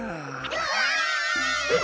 うわ！